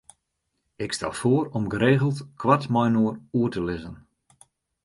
Ik stel foar om geregeld koart mei-inoar oer te lizzen.